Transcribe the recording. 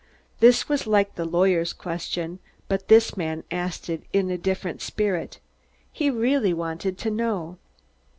This was like the lawyer's question, but this man asked it in a different spirit. He really wanted to know.